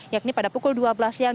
yakni pada pukul dua belas siang